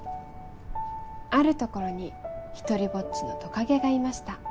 あるところに独りぼっちのとかげがいました